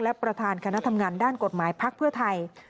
และประธานคณะทำงานด้านกฎหมายพักเพื่อไทย